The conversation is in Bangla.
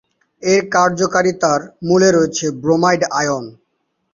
এর কার্যকারিতার মূলে রয়েছে ব্রোমাইড আয়ন।